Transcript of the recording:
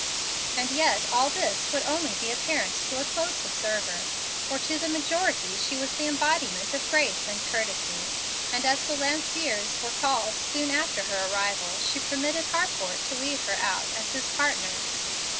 And yet all this would only be apparent to a close observer, for to the majority she was the embodiment of grace and courtesy, and as the Lanciers were called soon after her arrival, she permitted Harcourt to lead her out as his partner.